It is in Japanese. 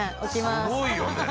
すごいよね。